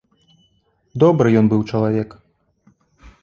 Добры ён быў чалавек.